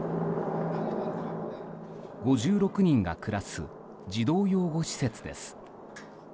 ５６人が暮らす児童養護施設です。